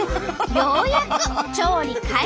ようやく調理開始。